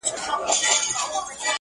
څنګه د بورا د سینې اور وینو -